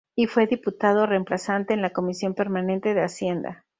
Y fue diputado reemplazante en la Comisión Permanente de Hacienda.